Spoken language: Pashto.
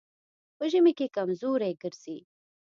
په ژمي کې کمزوری ګرځي.